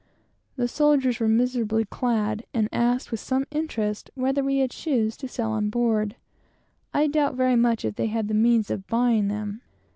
The soldiers were miserably clad, and asked with some interest whether we had any shoes to sell on board. I doubt very much if they had the means of buying them.